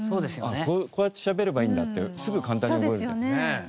こうやって喋ればいいんだってすぐ簡単に覚えるじゃん。